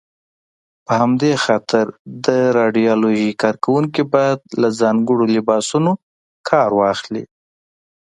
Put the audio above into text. په همدې خاطر د راډیالوژۍ کاروونکي باید له ځانګړو لباسونو کار واخلي.